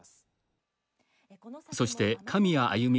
そして神谷亜弓